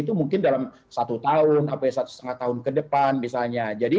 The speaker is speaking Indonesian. itu mungkin dalam satu tahun sampai satu setengah tahun ke depan misalnya